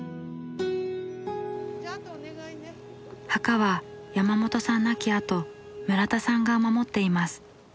墓は山本さん亡きあと村田さんが守っています。